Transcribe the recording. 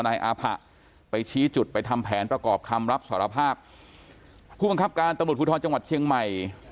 นายอาผะไปชี้จุดไปทำแผนประกอบคำรับสารภาพผู้บังคับการตำรวจภูทรจังหวัดเชียงใหม่